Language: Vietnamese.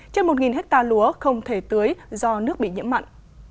trên một hectare lúa không thể tưới do nước bị nhiễm mặn